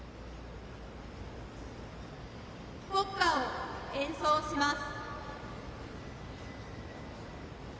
国歌を演奏します。